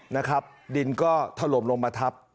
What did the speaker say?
นะครับดินก็ถล่มลงมาทับ